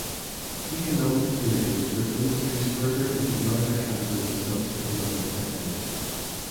Economic theories group industries further into larger categories dubbed economic sectors.